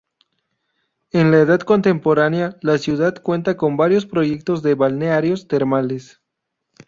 En la Edad Contemporánea la ciudad cuenta con varios proyectos de balnearios termales.